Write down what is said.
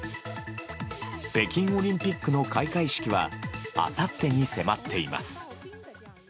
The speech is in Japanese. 北京オリンピックの開会式はあさってに迫っています。